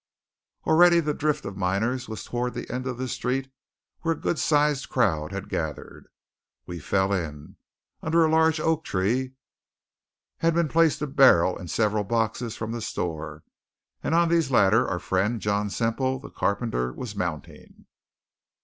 Already the drift of miners was toward the end of the street where a good sized crowd had gathered. We fell in. Under a large oak tree had been placed a barrel and several boxes from the store, and on these latter our friend John Semple, the carpenter, was mounting.